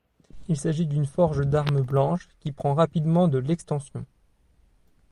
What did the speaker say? Il s'agit d'une forge d'armes blanches qui prend rapidement de l'extension.